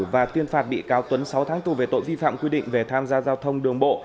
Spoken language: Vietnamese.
và tuyên phạt bị cáo tuấn sáu tháng tù về tội vi phạm quy định về tham gia giao thông đường bộ